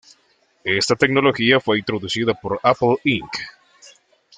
Esta tecnología fue introducida por Apple Inc.